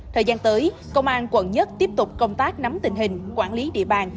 thời gian tới công an quận một tiếp tục công tác nắm tình hình quản lý địa bàn